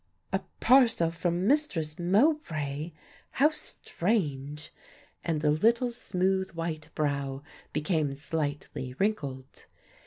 "A parcel from Mistress Mowbray; how strange!" and the little smooth white brow became slightly wrinkled.